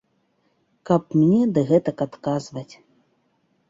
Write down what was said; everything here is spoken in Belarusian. Каб мне ды гэтак адказваць.